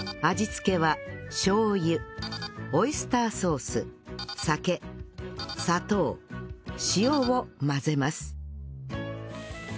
味付けはしょう油オイスターソース酒砂糖塩を混ぜます